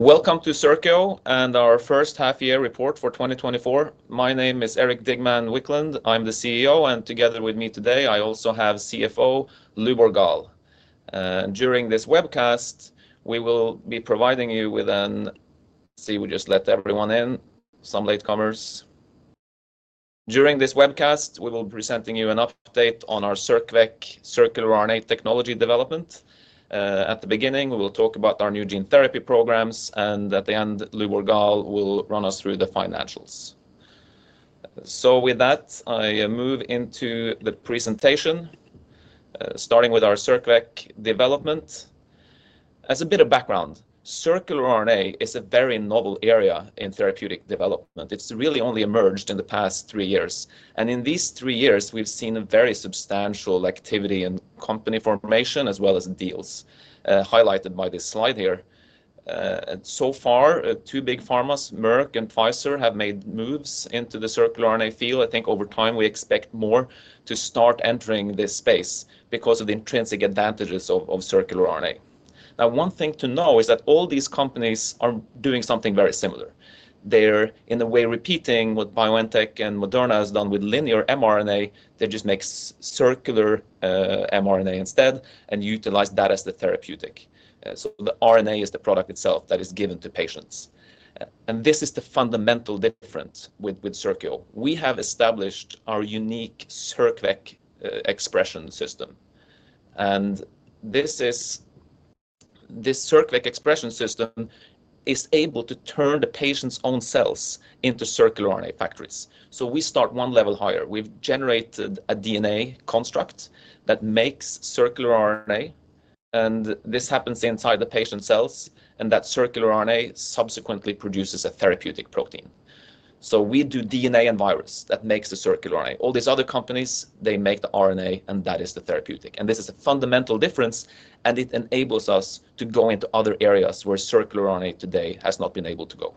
...Welcome to Circio and our first half year report for 2024. My name is Erik Digman Wiklund. I'm the CEO, and together with me today, I also have CFO, Lubor Gaal. During this webcast, we will be providing you with-- let's see, we just let everyone in, some latecomers. During this webcast, we will be presenting you an update on our circVec circular RNA technology development. At the beginning, we will talk about our new gene therapy programs, and at the end, Lubor Gaal will run us through the financials. With that, I move into the presentation, starting with our circVec development. As a bit of background, circular RNA is a very novel area in therapeutic development. It's really only emerged in the past three years, and in these three years, we've seen a very substantial activity in company formation, as well as deals, highlighted by this slide here. And so far, two big pharmas, Merck and Pfizer, have made moves into the circular RNA field. I think over time, we expect more to start entering this space because of the intrinsic advantages of circular RNA. Now, one thing to know is that all these companies are doing something very similar. They're, in a way, repeating what BioNTech and Moderna has done with linear mRNA. They just make circular mRNA instead and utilize that as the therapeutic. So the RNA is the product itself that is given to patients. And this is the fundamental difference with Circio. We have established our unique circVec expression system, and this circVec expression system is able to turn the patient's own cells into circular RNA factories, so we start one level higher. We've generated a DNA construct that makes circular RNA, and this happens inside the patient cells, and that circular RNA subsequently produces a therapeutic protein. So we do DNA and virus that makes the circular RNA. All these other companies, they make the RNA, and that is the therapeutic. And this is a fundamental difference, and it enables us to go into other areas where circular RNA today has not been able to go,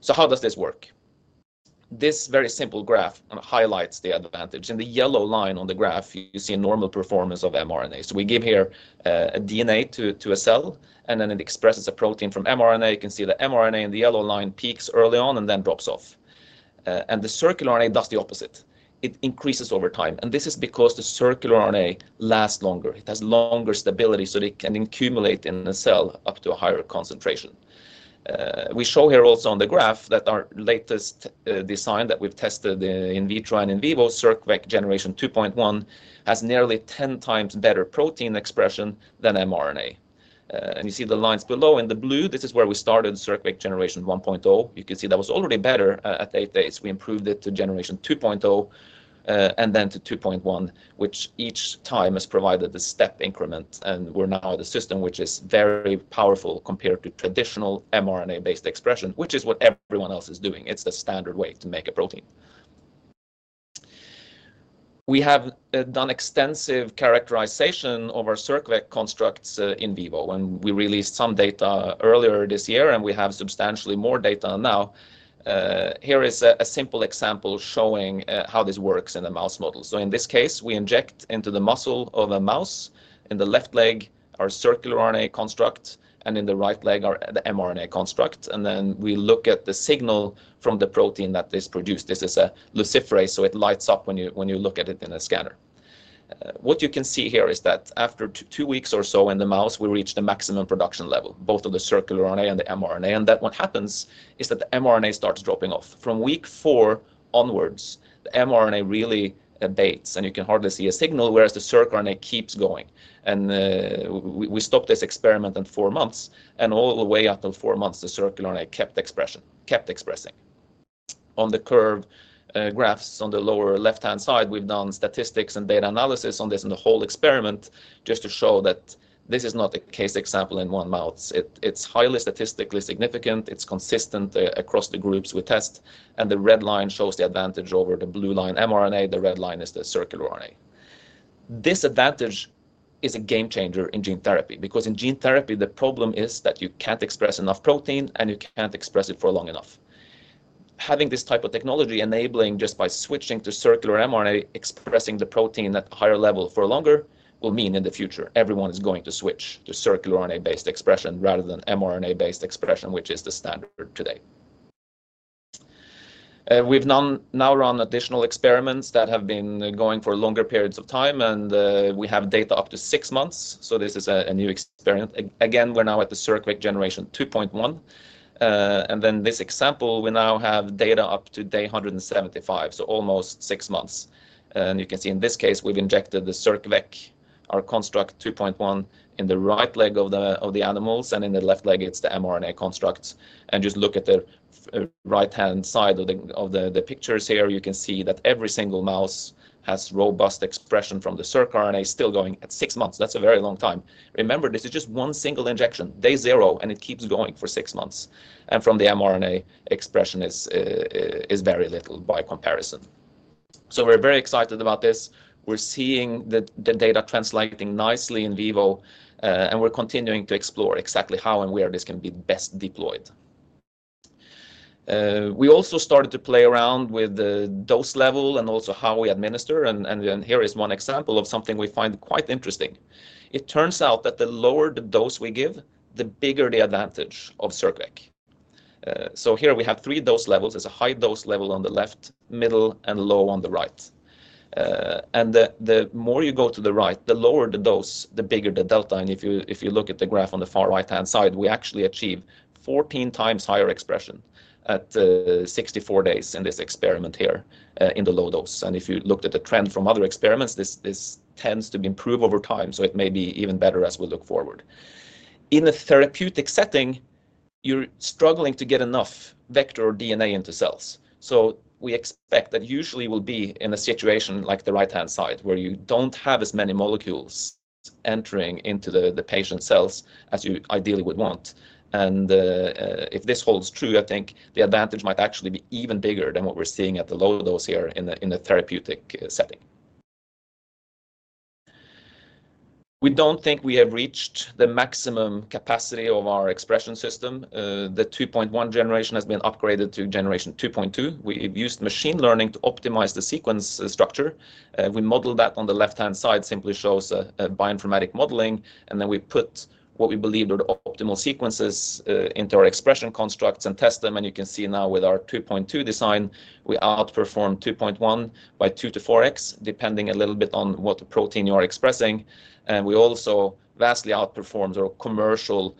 so how does this work? This very simple graph highlights the advantage. In the yellow line on the graph, you see a normal performance of mRNA. So we give here a DNA to a cell, and then it expresses a protein from mRNA. You can see the mRNA in the yellow line peaks early on and then drops off. And the circular RNA does the opposite. It increases over time, and this is because the circular RNA lasts longer. It has longer stability, so it can accumulate in the cell up to a higher concentration. We show here also on the graph that our latest design that we've tested in vitro and in vivo, circVec generation 2.1, has nearly ten times better protein expression than mRNA. And you see the lines below in the blue, this is where we started circVec generation 1.0. You can see that was already better at eight days. We improved it to generation 2.0, and then to 2.1, which each time has provided a step increment, and we're now at a system which is very powerful compared to traditional mRNA-based expression, which is what everyone else is doing. It's the standard way to make a protein. We have done extensive characterization of our circVec constructs in vivo, and we released some data earlier this year, and we have substantially more data now. Here is a simple example showing how this works in a mouse model. So in this case, we inject into the muscle of a mouse, in the left leg, our circular RNA construct, and in the right leg, our mRNA construct, and then we look at the signal from the protein that is produced. This is a luciferase, so it lights up when you look at it in a scanner. What you can see here is that after two weeks or so in the mouse, we reach the maximum production level, both of the circular RNA and the mRNA, and then what happens is that the mRNA starts dropping off. From week four onwards, the mRNA really abates, and you can hardly see a signal, whereas the circRNA keeps going, and we stop this experiment in four months, and all the way up till four months, the circular RNA kept expression, kept expressing. On the curve graphs on the lower left-hand side, we've done statistics and data analysis on this and the whole experiment, just to show that this is not a case example in one mouse. It's highly statistically significant. It's consistent across the groups we test, and the red line shows the advantage over the blue line, mRNA. The red line is the circular RNA. This advantage is a game changer in gene therapy, because in gene therapy, the problem is that you can't express enough protein, and you can't express it for long enough. Having this type of technology enabling just by switching to circular mRNA, expressing the protein at a higher level for longer, will mean in the future, everyone is going to switch to circular RNA-based expression rather than mRNA-based expression, which is the standard today. We've now run additional experiments that have been going for longer periods of time, and we have data up to six months, so this is a new experiment. Again, we're now at the circVec generation 2.1, and then this example, we now have data up to day 175, so almost six months. You can see in this case, we've injected the circVec, our construct 2.1, in the right leg of the animals, and in the left leg, it's the mRNA construct. Just look at the right-hand side of the pictures here, you can see that every single mouse has robust expression from the circRNA still going at six months. That's a very long time. Remember, this is just one single injection, day 0, and it keeps going for six months. The expression from the mRNA is very little by comparison. We're very excited about this. We're seeing the data translating nicely in vivo, and we're continuing to explore exactly how and where this can be best deployed. We also started to play around with the dose level and also how we administer, and then here is one example of something we find quite interesting. It turns out that the lower the dose we give, the bigger the advantage of circVec. So here we have three dose levels. There's a high dose level on the left, middle, and low on the right, and the more you go to the right, the lower the dose, the bigger the delta, and if you look at the graph on the far right-hand side, we actually achieve fourteen times higher expression at 64 days in this experiment here, in the low dose. If you looked at the trend from other experiments, this tends to improve over time, so it may be even better as we look forward. In a therapeutic setting, you're struggling to get enough vector or DNA into cells, so we expect that usually we'll be in a situation like the right-hand side, where you don't have as many molecules entering into the patient's cells as you ideally would want. If this holds true, I think the advantage might actually be even bigger than what we're seeing at the low dose here in the therapeutic setting. We don't think we have reached the maximum capacity of our expression system. The 2.1 generation has been upgraded to generation 2.2. We've used machine learning to optimize the sequence structure. We modeled that on the left-hand side, simply shows a bioinformatic modeling, and then we put what we believe are the optimal sequences into our expression constructs and test them, and you can see now with our 2.2 design, we outperform 2.1 by two to 4x, depending a little bit on what protein you are expressing. And we also vastly outperformed our commercial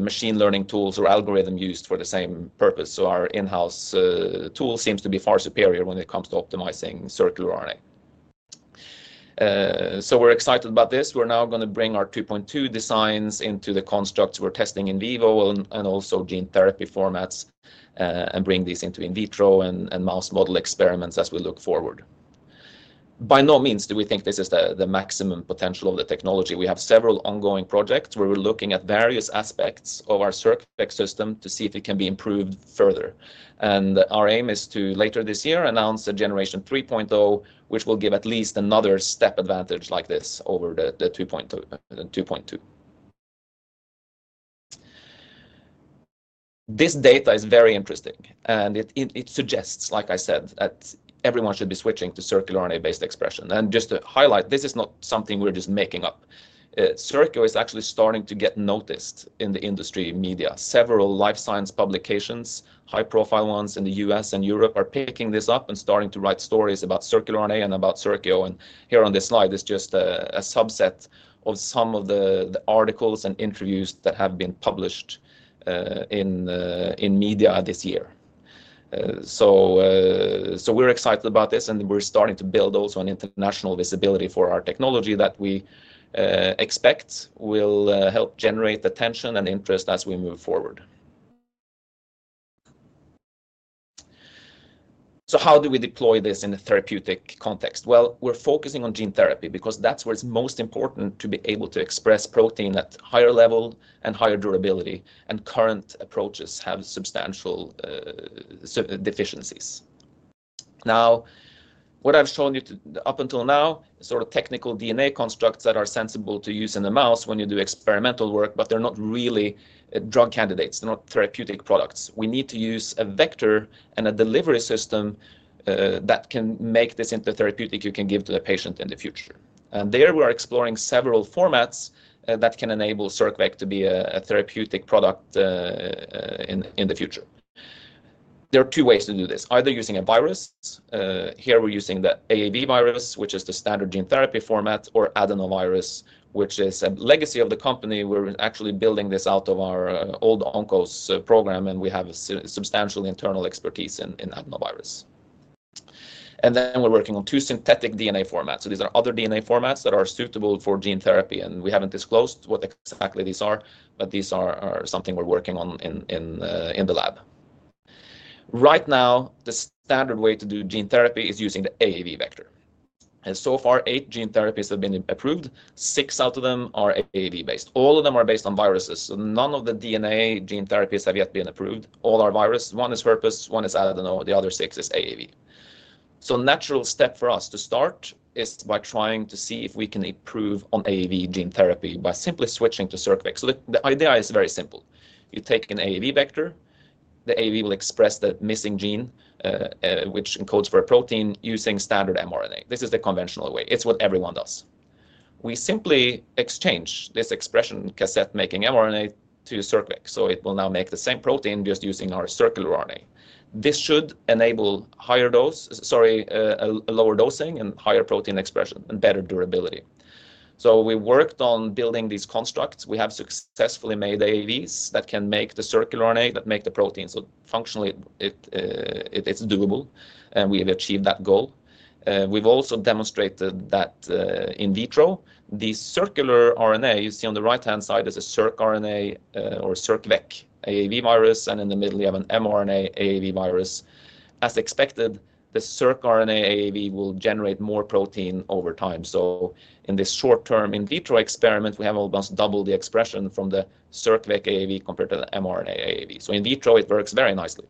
machine learning tools or algorithm used for the same purpose. So our in-house tool seems to be far superior when it comes to optimizing circular RNA. So we're excited about this. We're now gonna bring our 2.2 designs into the constructs we're testing in vivo and also gene therapy formats, and bring these into in vitro and mouse model experiments as we look forward. By no means do we think this is the maximum potential of the technology. We have several ongoing projects where we're looking at various aspects of our circVec system to see if it can be improved further. Our aim is to, later this year, announce the generation 3.0, which will give at least another step advantage like this over the 2.2. This data is very interesting, and it suggests, like I said, that everyone should be switching to circular RNA-based expression. Just to highlight, this is not something we're just making up. Circio is actually starting to get noticed in the industry media. Several life science publications, high-profile ones in the U.S. and Europe, are picking this up and starting to write stories about circular RNA and about Circio, and here on this slide is just a subset of some of the articles and interviews that have been published in media this year. So we're excited about this, and we're starting to build also an international visibility for our technology that we expect will help generate attention and interest as we move forward. So how do we deploy this in a therapeutic context? Well, we're focusing on gene therapy because that's where it's most important to be able to express protein at higher level and higher durability, and current approaches have substantial deficiencies. Now, what I've shown you to... Up until now is sort of technical DNA constructs that are sensible to use in a mouse when you do experimental work, but they're not really drug candidates. They're not therapeutic products. We need to use a vector and a delivery system that can make this into a therapeutic you can give to the patient in the future. And there, we are exploring several formats that can enable circVec to be a therapeutic product in the future. There are two ways to do this, either using a virus, here we're using the AAV virus, which is the standard gene therapy format, or adenovirus, which is a legacy of the company. We're actually building this out of our old ONCOS program, and we have substantial internal expertise in adenovirus. And then we're working on two synthetic DNA formats. So these are other DNA formats that are suitable for gene therapy, and we haven't disclosed what exactly these are, but these are something we're working on in the lab. Right now, the standard way to do gene therapy is using the AAV vector, and so far, eight gene therapies have been approved. Six out of them are AAV-based. All of them are based on viruses, so none of the DNA gene therapies have yet been approved. All are virus. One is herpes, one is adenovirus, the other six is AAV. So natural step for us to start is by trying to see if we can improve on AAV gene therapy by simply switching to circVec. So the idea is very simple. You take an AAV vector, the AAV will express the missing gene, which encodes for a protein using standard mRNA. This is the conventional way. It's what everyone does. We simply exchange this expression cassette making mRNA to circVec, so it will now make the same protein just using our circular RNA. This should enable a lower dosing and higher protein expression and better durability. So we worked on building these constructs. We have successfully made AAVs that can make the circular RNA, that make the protein. So functionally, it's doable, and we have achieved that goal. We've also demonstrated that in vitro, the circular RNA, you see on the right-hand side, is a circRNA or circVec AAV virus, and in the middle, you have an mRNA AAV virus. As expected, the circRNA AAV will generate more protein over time. So in this short term, in vitro experiment, we have almost double the expression from the circVec AAV compared to the mRNA AAV, so in vitro, it works very nicely.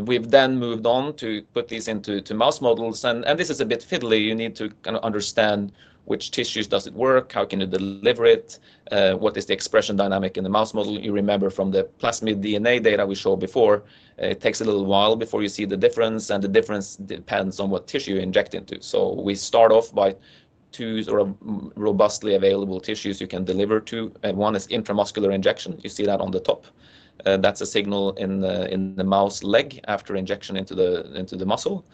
We've then moved on to put these into mouse models, and this is a bit fiddly. You need to kind of understand which tissues does it work, how can you deliver it, what is the expression dynamic in the mouse model? You remember from the plasmid DNA data we showed before, it takes a little while before you see the difference, and the difference depends on what tissue you inject into, so we start off by two sort of robustly available tissues you can deliver to, and one is intramuscular injection. You see that on the top. That's a signal in the mouse leg after injection into the muscle.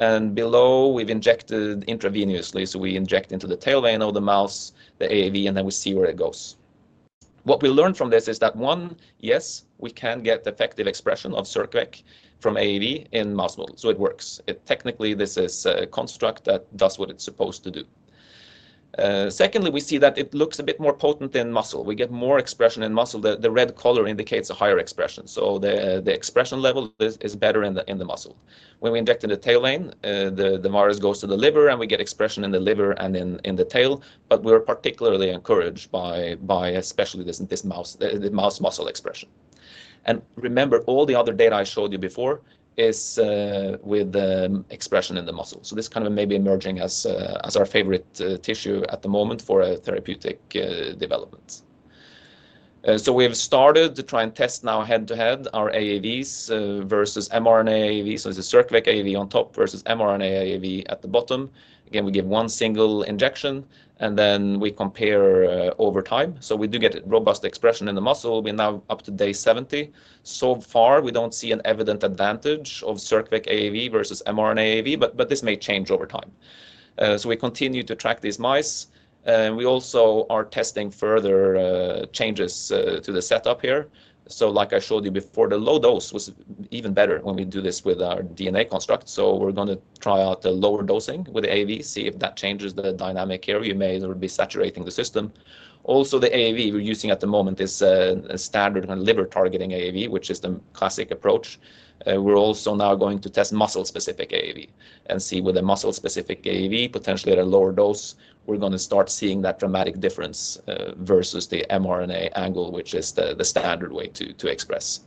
Below, we've injected intravenously, so we inject into the tail vein of the mouse, the AAV, and then we see where it goes. What we learned from this is that, one, yes, we can get effective expression of circVec from AAV in mouse models, so it works. Technically, this is a construct that does what it's supposed to do. Secondly, we see that it looks a bit more potent in muscle. We get more expression in muscle. The red color indicates a higher expression, so the expression level is better in the muscle. When we inject in the tail vein, the virus goes to the liver, and we get expression in the liver and in the tail, but we're particularly encouraged by especially this mouse muscle expression. Remember, all the other data I showed you before is with the expression in the muscle. This kind of may be emerging as our favorite tissue at the moment for a therapeutic development. We have started to try and test now head-to-head our AAVs versus mRNA AAV. It's a circVec AAV on top versus mRNA AAV at the bottom. Again, we give one single injection, and then we compare over time. We do get robust expression in the muscle. We're now up to day 70. So far, we don't see an evident advantage of circVec AAV versus mRNA AAV, but this may change over time. We continue to track these mice. We also are testing further changes to the setup here. So like I showed you before, the low dose was even better when we do this with our DNA construct, so we're going to try out the lower dosing with AAV, see if that changes the dynamic here. We may be saturating the system. Also, the AAV we're using at the moment is a standard when liver targeting AAV, which is the classic approach. We're also now going to test muscle-specific AAV and see with the muscle-specific AAV, potentially at a lower dose, we're going to start seeing that dramatic difference versus the mRNA angle, which is the standard way to express.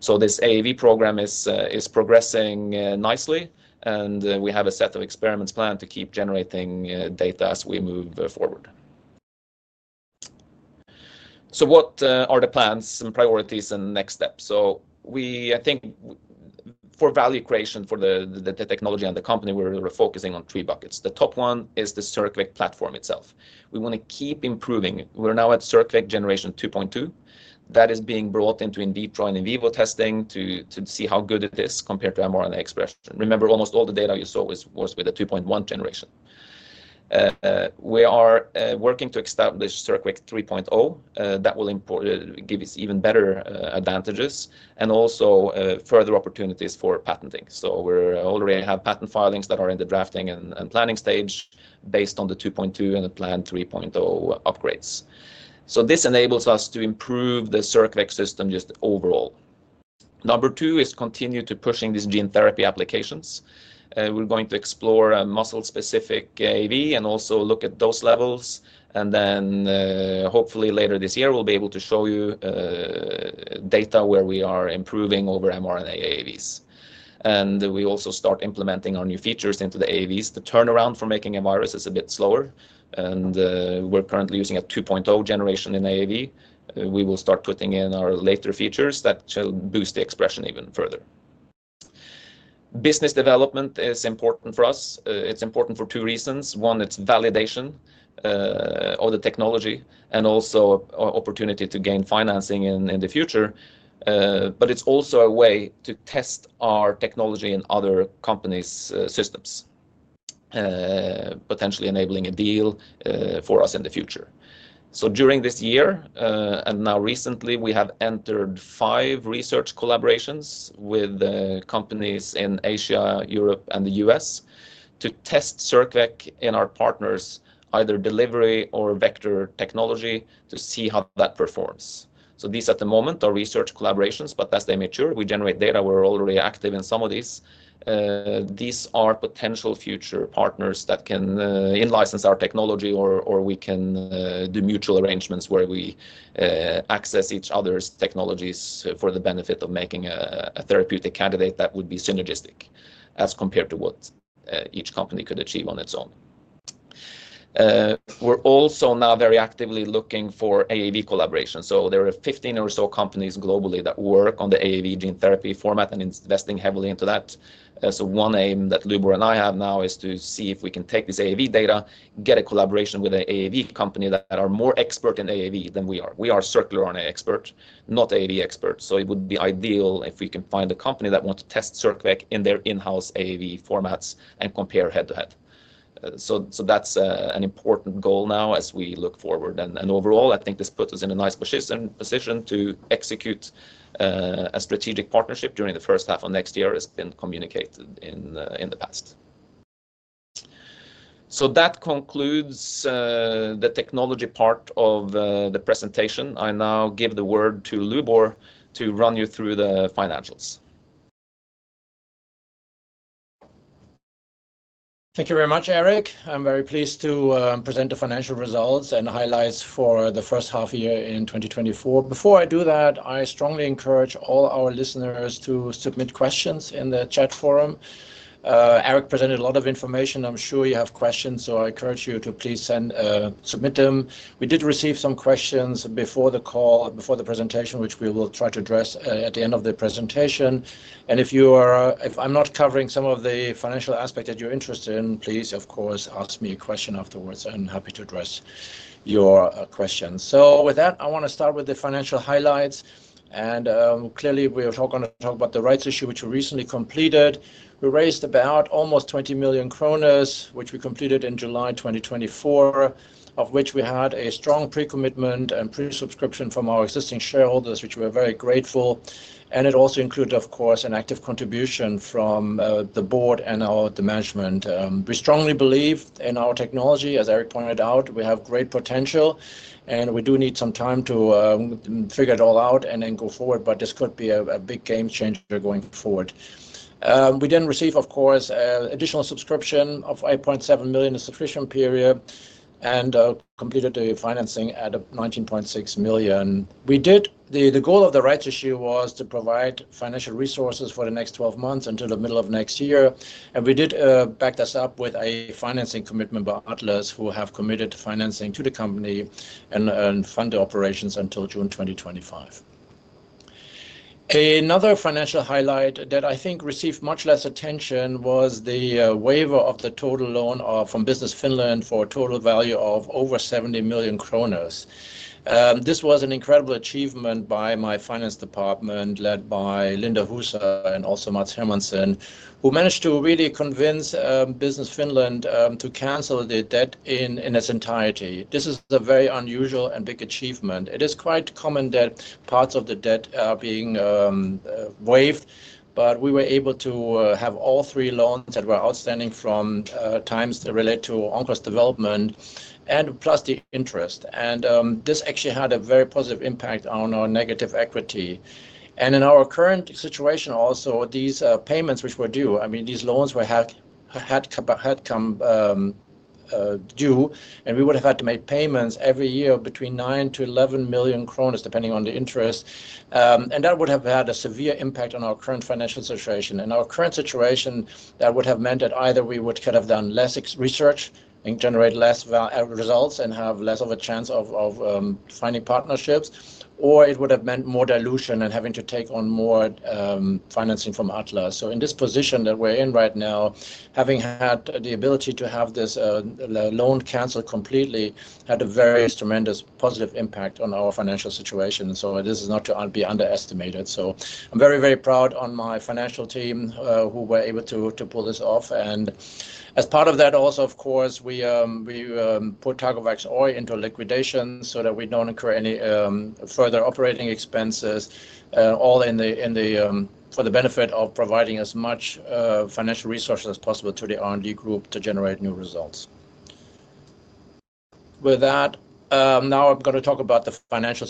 So this AAV program is progressing nicely, and we have a set of experiments planned to keep generating data as we move forward. So what are the plans and priorities and next steps? I think for value creation, for the technology and the company, we're focusing on three buckets. The top one is the circVec platform itself. We want to keep improving it. We're now at circVec 2.2. That is being brought into in vitro and in vivo testing to see how good it is compared to mRNA expression. Remember, almost all the data you saw was with the 2.1 generation. We are working to establish circVec 3.0, that will improve and give us even better advantages and also further opportunities for patenting. So we're already have patent filings that are in the drafting and planning stage based on the 2.2 and the planned 3.0 upgrades. So this enables us to improve the circVec system just overall. Number two is continue to pushing these gene therapy applications. We're going to explore a muscle-specific AAV and also look at dose levels, and then, hopefully later this year, we'll be able to show you data where we are improving over mRNA AAVs, and we also start implementing our new features into the AAVs. The turnaround for making a virus is a bit slower, and we're currently using a 2.0 generation in AAV. We will start putting in our later features that shall boost the expression even further. Business development is important for us. It's important for two reasons. One, it's validation of the technology and also opportunity to gain financing in the future, but it's also a way to test our technology in other companies' systems, potentially enabling a deal for us in the future. During this year and now recently, we have entered five research collaborations with companies in Asia, Europe, and the U.S. to test circVec in our partners' either delivery or vector technology, to see how that performs. These at the moment are research collaborations, but as they mature, we generate data. We're already active in some of these. These are potential future partners that can in-license our technology, or we can do mutual arrangements where we access each other's technologies for the benefit of making a therapeutic candidate that would be synergistic as compared to what each company could achieve on its own. We're also now very actively looking for AAV collaboration. There are 15 or so companies globally that work on the AAV gene therapy format and investing heavily into that. So one aim that Lubor and I have now is to see if we can take this AAV data, get a collaboration with an AAV company that are more expert in AAV than we are. We are circular RNA expert, not AAV expert, so it would be ideal if we can find a company that want to test circVec in their in-house AAV formats and compare head-to-head. So that's an important goal now as we look forward, and overall, I think this puts us in a nice position to execute a strategic partnership during the first half of next year, as been communicated in the past, so that concludes the technology part of the presentation. I now give the word to Lubor to run you through the financials. ... Thank you very much, Erik. I'm very pleased to present the financial results and highlights for the first half year in 2024. Before I do that, I strongly encourage all our listeners to submit questions in the chat forum. Erik presented a lot of information. I'm sure you have questions, so I encourage you to please submit them. We did receive some questions before the call, before the presentation, which we will try to address at the end of the presentation. If I'm not covering some of the financial aspect that you're interested in, please, of course, ask me a question afterwards. I'm happy to address your questions. With that, I wanna start with the financial highlights, and clearly, we are gonna talk about the rights issue, which we recently completed. We raised about almost 20 million kroner, which we completed in July 2024, of which we had a strong pre-commitment and pre-subscription from our existing shareholders, which we are very grateful. It also included, of course, an active contribution from the board and our management. We strongly believe in our technology, as Erik pointed out. We have great potential, and we do need some time to figure it all out and then go forward, but this could be a big game changer going forward. We then receive, of course, additional subscription of 8.7 million subscription period, and completed the financing at 19.6 million. The goal of the rights issue was to provide financial resources for the next twelve months until the middle of next year, and we did back this up with a financing commitment by Atlas, who have committed to financing to the company and fund the operations until June 2025. Another financial highlight that I think received much less attention was the waiver of the total loan from Business Finland for a total value of over 70 million kroner. This was an incredible achievement by my finance department, led by Linda Husa and also Mats Hermansson, who managed to really convince Business Finland to cancel the debt in its entirety. This is a very unusual and big achievement. It is quite common that parts of the debt are being waived, but we were able to have all three loans that were outstanding from times that relate to ONCOS development and plus the interest. This actually had a very positive impact on our negative equity. In our current situation, also, these payments, which were due, I mean, these loans would have come due, and we would have had to make payments every year between 9 million to 11 million, depending on the interest. That would have had a severe impact on our current financial situation. In our current situation, that would have meant that either we would have done less expensive research and generate less valuable results and have less of a chance of finding partnerships, or it would have meant more dilution and having to take on more financing from Atlas. So in this position that we're in right now, having had the ability to have this loan canceled completely had a very tremendous positive impact on our financial situation, so this is not to be underestimated. So I'm very proud of my financial team who were able to pull this off. And as part of that, also, of course, we put Targovax Oy into liquidation so that we don't incur any further operating expenses, all in the, in the... For the benefit of providing as much financial resources as possible to the R&D group to generate new results. With that, now I'm gonna talk about the financial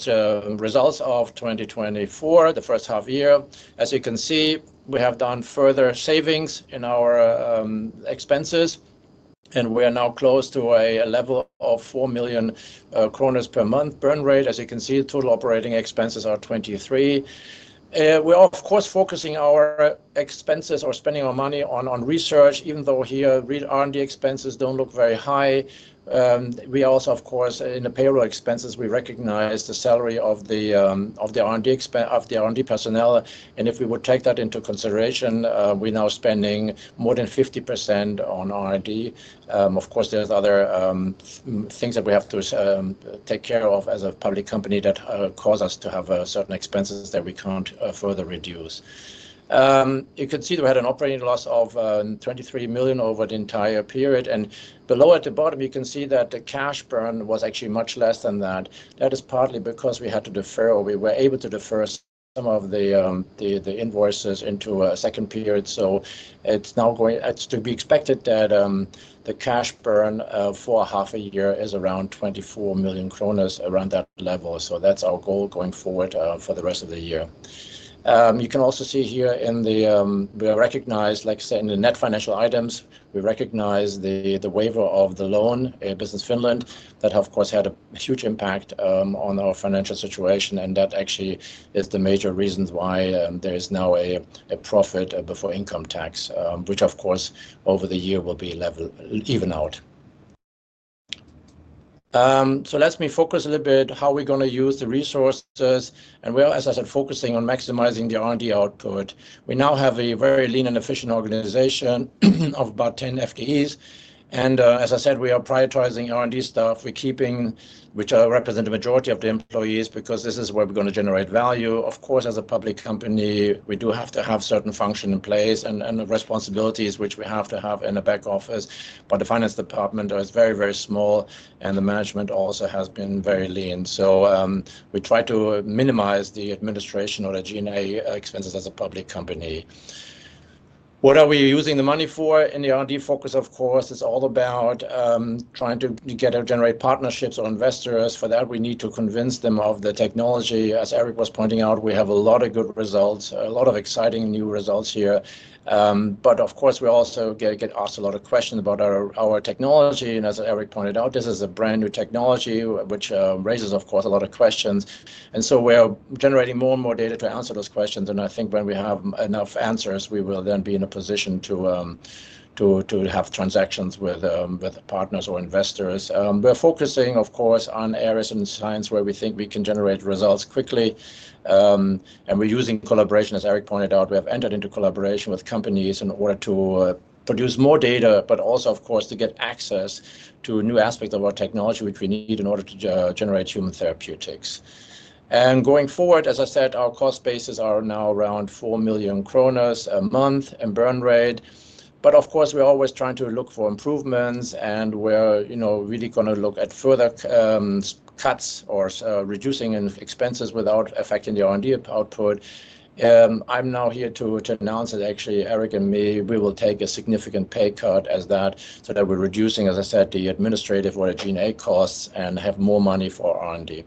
results of 2024, the first half year. As you can see, we have done further savings in our expenses, and we are now close to a level of 4 million kroner per month burn rate. As you can see, total operating expenses are 23 million. We are, of course, focusing our expenses or spending our money on research, even though here, R&D expenses don't look very high. We also, of course, in the payroll expenses, we recognize the salary of the R&D personnel, and if we would take that into consideration, we're now spending more than 50% on R&D. Of course, there's other things that we have to take care of as a public company that cause us to have certain expenses that we can't further reduce. You can see we had an operating loss of 23 million NOK over the entire period, and below at the bottom, you can see that the cash burn was actually much less than that. That is partly because we had to defer or we were able to defer some of the invoices into a second period. So it's now. It's to be expected that the cash burn for a half a year is around 24 million kroner around that level. So that's our goal going forward for the rest of the year. You can also see here in the, we recognize, like saying, the net financial items, we recognize the waiver of the loan, Business Finland. That, of course, had a huge impact on our financial situation, and that actually is the major reasons why there is now a profit before income tax, which of course, over the year will even out. So let me focus a little bit how we're gonna use the resources, and we are, as I said, focusing on maximizing the R&D output. We now have a very lean and efficient organization of about 10 FTEs, and, as I said, we are prioritizing R&D staff. We're keeping, which represent the majority of the employees, because this is where we're gonna generate value. Of course, as a public company, we do have to have certain function in place and the responsibilities which we have to have in the back office. But the finance department is very, very small, and the management also has been very lean. So, we try to minimize the administration or the G&A expenses as a public company. What are we using the money for? In the R&D focus, of course, is all about trying to get or generate partnerships or investors. For that, we need to convince them of the technology. As Erik was pointing out, we have a lot of good results, a lot of exciting new results here. But of course, we also get asked a lot of questions about our technology, and as Erik pointed out, this is a brand-new technology, which raises, of course, a lot of questions, and so we're generating more and more data to answer those questions, and I think when we have enough answers, we will then be in a position to have transactions with partners or investors. We're focusing, of course, on areas in science where we think we can generate results quickly, and we're using collaboration, as Erik pointed out. We have entered into collaboration with companies in order to produce more data, but also, of course, to get access to a new aspect of our technology, which we need in order to generate human therapeutics. Going forward, as I said, our cost bases are now around 4 million kroner a month in burn rate, but of course, we're always trying to look for improvements, and we're, you know, really gonna look at further cuts or reducing in expenses without affecting the R&D output. I'm now here to announce that actually, Erik and me, we will take a significant pay cut as that, so that we're reducing, as I said, the administrative or the GA costs and have more money for R&D.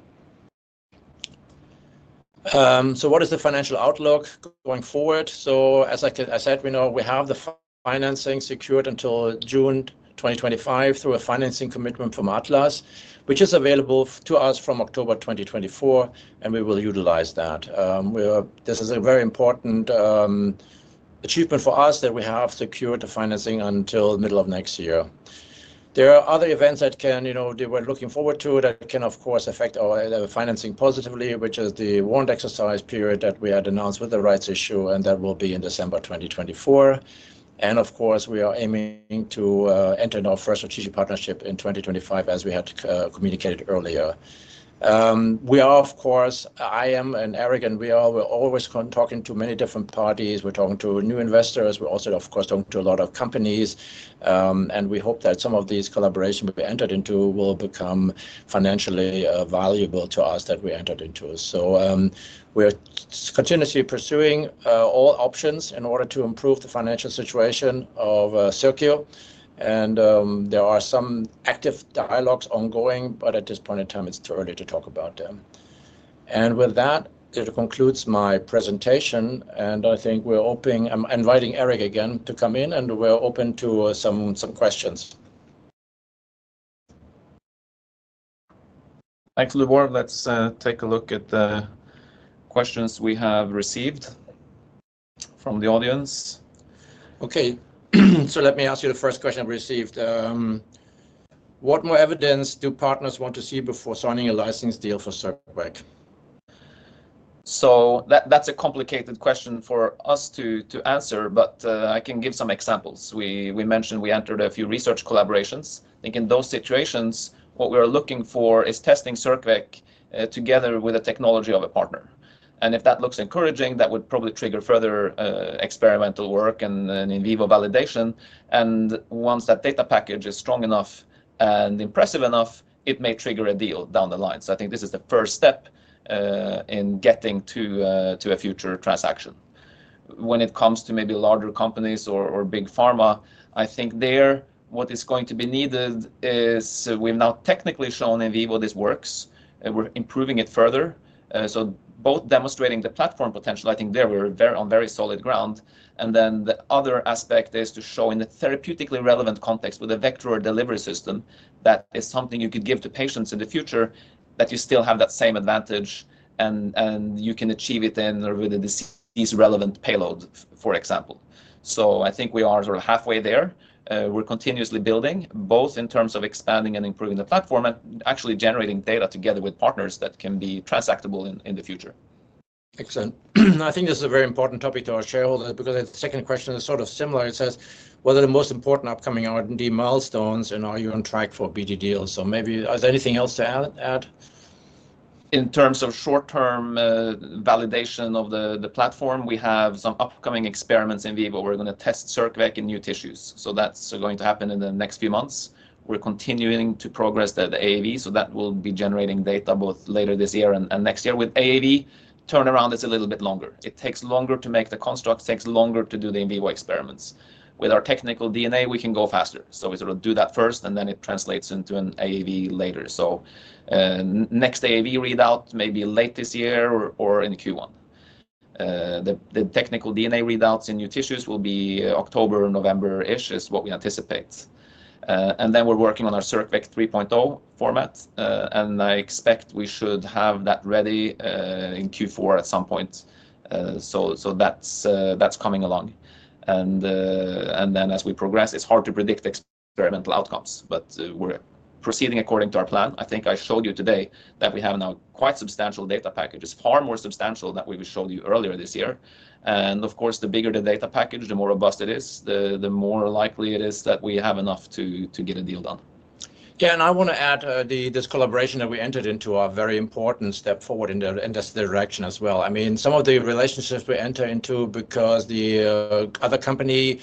What is the financial outlook going forward? As I said, we know we have the financing secured until June 2025 through a financing commitment from Atlas, which is available to us from October 2024, and we will utilize that. We are... This is a very important achievement for us, that we have secured the financing until middle of next year. There are other events that can, you know, they were looking forward to, that can, of course, affect our financing positively, which is the warrant exercise period that we had announced with the rights issue, and that will be in December 2024. Of course, we are aiming to enter into our first strategic partnership in 2025, as we had communicated earlier. We are, of course, I am, and Erik, and we are, we're always constantly talking to many different parties. We're talking to new investors. We're also, of course, talking to a lot of companies, and we hope that some of these collaborations we entered into will become financially valuable to us that we entered into. So, we're continuously pursuing all options in order to improve the financial situation of Circio, and there are some active dialogues ongoing, but at this point in time, it's too early to talk about them, and with that, it concludes my presentation, and I think we're opening... I'm inviting Erik again to come in, and we're open to some questions. Thanks, Lubor. Let's take a look at the questions we have received from the audience. Okay, so let me ask you the first question I received. What more evidence do partners want to see before signing a licensing deal for circVec? So that's a complicated question for us to answer, but I can give some examples. We mentioned we entered a few research collaborations. I think in those situations, what we're looking for is testing circVec together with the technology of a partner. And if that looks encouraging, that would probably trigger further experimental work and an in vivo validation, and once that data package is strong enough and impressive enough, it may trigger a deal down the line. So I think this is the first step in getting to a future transaction. When it comes to maybe larger companies or big pharma, I think there, what is going to be needed is we've now technically shown in vivo this works, and we're improving it further. So both demonstrating the platform potential, I think there we're very on very solid ground. And then the other aspect is to show in a therapeutically relevant context with a vector or delivery system that is something you could give to patients in the future, that you still have that same advantage, and you can achieve it in or within the disease-relevant payload, for example. I think we are sort of halfway there. We're continuously building, both in terms of expanding and improving the platform and actually generating data together with partners that can be transactable in the future. Excellent. I think this is a very important topic to our shareholders, because the second question is sort of similar. It says, "What are the most important upcoming R&D milestones, and are you on track for BD deals?" So maybe is there anything else to add? In terms of short-term validation of the platform, we have some upcoming experiments in vivo. We're gonna test circVec in new tissues, so that's going to happen in the next few months. We're continuing to progress the AAV, so that will be generating data both later this year and next year. With AAV, turnaround is a little bit longer. It takes longer to make the construct, takes longer to do the in vivo experiments. With our technical DNA, we can go faster, so we sort of do that first, and then it translates into an AAV later. So, next AAV readout may be late this year or in Q1. The technical DNA readouts in new tissues will be October, November-ish, is what we anticipate. And then we're working on our circVec 3.0 format, and I expect we should have that ready in Q4 at some point. That's coming along. As we progress, it's hard to predict experimental outcomes, but we're proceeding according to our plan. I think I showed you today that we have now quite substantial data packages, far more substantial than we showed you earlier this year. Of course, the bigger the data package, the more robust it is, the more likely it is that we have enough to get a deal done. Yeah, and I want to add, this collaboration that we entered into a very important step forward in this direction as well. I mean, some of the relationships we enter into because the other company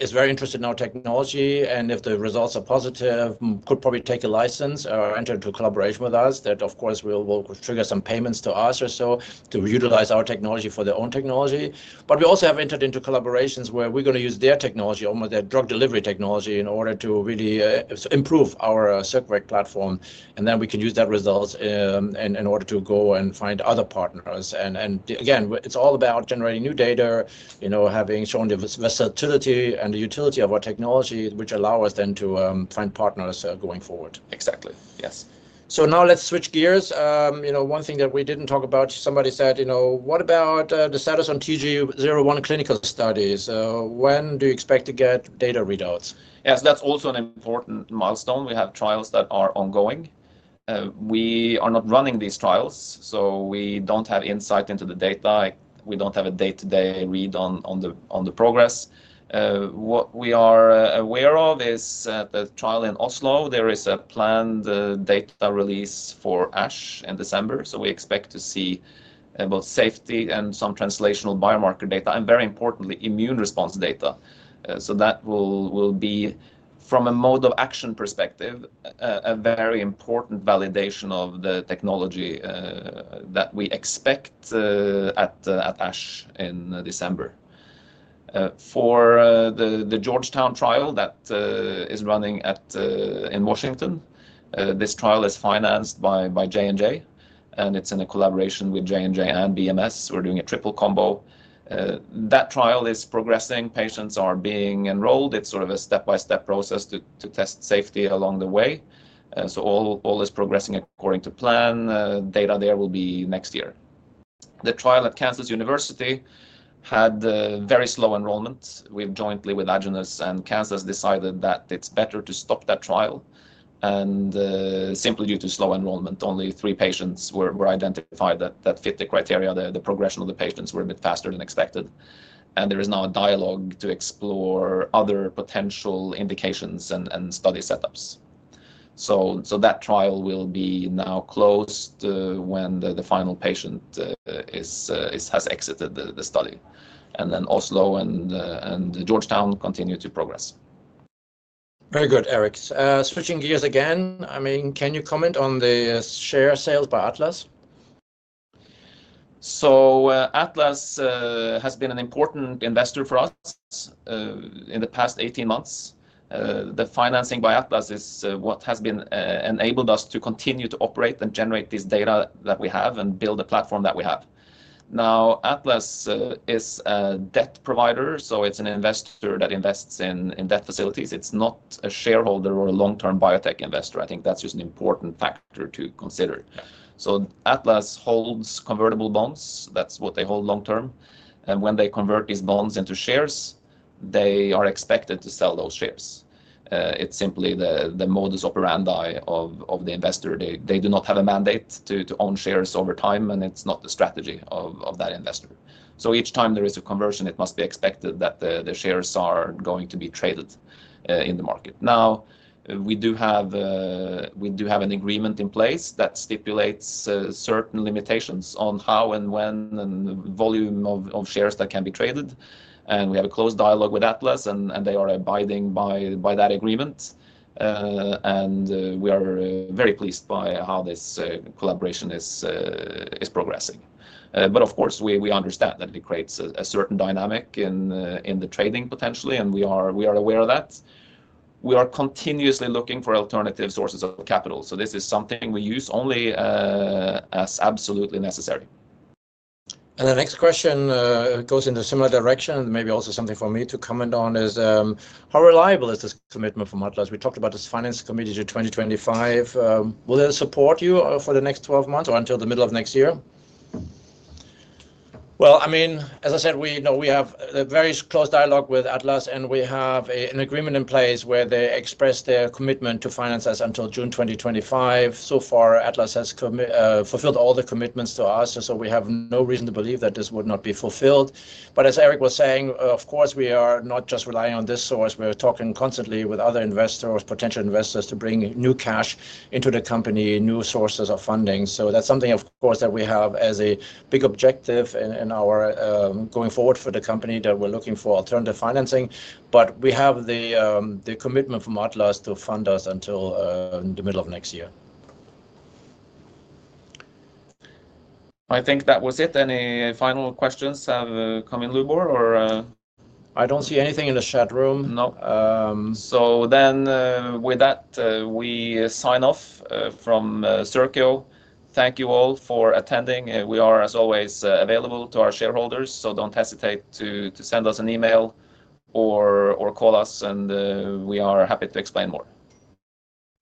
is very interested in our technology, and if the results are positive, could probably take a license or enter into a collaboration with us. That, of course, will trigger some payments to us or so, to utilize our technology for their own technology. But we also have entered into collaborations where we're gonna use their technology, almost their drug delivery technology, in order to really improve our circVec platform, and then we can use that results in order to go and find other partners. It's all about generating new data, you know, having shown the versatility and the utility of our technology, which allow us then to find partners going forward. Exactly, yes. Now let's switch gears. You know, one thing that we didn't talk about, somebody said, you know, "What about the status on TG01 clinical studies? When do you expect to get data readouts? Yes, that's also an important milestone. We have trials that are ongoing. We are not running these trials, so we don't have insight into the data. We don't have a day-to-day read on the progress. What we are aware of is the trial in Oslo. There is a planned data release for ASH in December, so we expect to see both safety and some translational biomarker data, and very importantly, immune response data. So that will be, from a mode of action perspective, a very important validation of the technology that we expect at ASH in December. For the Georgetown trial that is running in Washington, this trial is financed by J&J, and it's in a collaboration with J&J and BMS. We're doing a triple combo. That trial is progressing. Patients are being enrolled. It's sort of a step-by-step process to test safety along the way. So all is progressing according to plan. Data there will be next year. The trial at the University of Kansas had very slow enrollments. We've jointly with Aduro and Kansas decided that it's better to stop that trial, and simply due to slow enrollment, only three patients were identified that fit the criteria. The progression of the patients were a bit faster than expected, and there is now a dialogue to explore other potential indications and study setups. That trial will now be closed when the final patient has exited the study. Then Oslo and Georgetown continue to progress. Very good, Erik. Switching gears again, I mean, can you comment on the share sales by Atlas? So, Atlas has been an important investor for us in the past 18 months. The financing by Atlas is what has been enabled us to continue to operate and generate this data that we have and build the platform that we have. Now, Atlas is a debt provider, so it's an investor that invests in debt facilities. It's not a shareholder or a long-term biotech investor. I think that's just an important factor to consider. Yeah. So Atlas holds convertible bonds. That's what they hold long term, and when they convert these bonds into shares, they are expected to sell those shares. It's simply the modus operandi of the investor. They do not have a mandate to own shares over time, and it's not the strategy of that investor. So each time there is a conversion, it must be expected that the shares are going to be traded in the market. Now we do have an agreement in place that stipulates certain limitations on how and when and the volume of shares that can be traded, and we have a close dialogue with Atlas and they are abiding by that agreement. And we are very pleased by how this collaboration is progressing. But of course, we understand that it creates a certain dynamic in the trading potentially, and we are aware of that. We are continuously looking for alternative sources of capital, so this is something we use only as absolutely necessary. The next question goes in a similar direction, and maybe also something for me to comment on, is: how reliable is this commitment from Atlas? We talked about this financing commitment to 2025. Will they support you for the next 12 months or until the middle of next year? I mean, as I said, we, you know, we have a very close dialogue with Atlas, and we have an agreement in place where they express their commitment to finance us until June 2025. So far, Atlas has committed to and fulfilled all the commitments to us, and so we have no reason to believe that this would not be fulfilled. But as Erik was saying, of course, we are not just relying on this source. We're talking constantly with other investors or potential investors to bring new cash into the company, new sources of funding. So that's something, of course, that we have as a big objective in our going forward for the company, that we're looking for alternative financing. But we have the commitment from Atlas to fund us until the middle of next year. I think that was it. Any final questions have come in, Lubor, or? I don't see anything in the chat room. So then, with that, we sign off from Circio. Thank you all for attending, and we are, as always, available to our shareholders, so don't hesitate to send us an email or call us, and we are happy to explain more.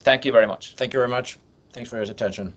Thank you very much. Thank you very much. Thanks for your attention.